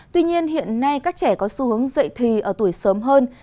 tuy nhiên hiện nay các trẻ có xu hướng dạy thì ở tuổi sớm hơn